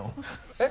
えっ？